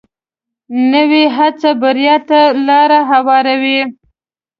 نوې هڅه بریا ته لار هواروي